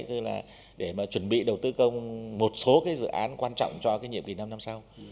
tức là để mà chuẩn bị đầu tư công một số cái dự án quan trọng cho cái nhiệm kỳ năm năm sau